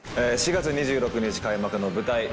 ４月２６日開幕の舞台